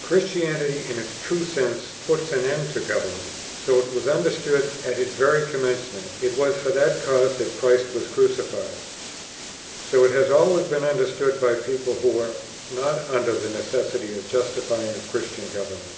Christianity in its true sense puts an end to government. So it was understood at its very commencement; it was for that cause that Christ was crucified. So it has always been understood by people who were not under the necessity of justifying a Christian government.